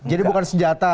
jadi bukan senjata